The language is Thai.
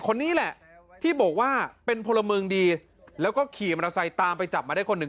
คนนี้แหละที่บอกว่าเป็นพลเมืองดีแล้วก็ขี่มอเตอร์ไซค์ตามไปจับมาได้คนหนึ่ง